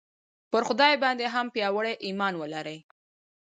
پر خدای باندې هم پیاوړی ایمان ولرئ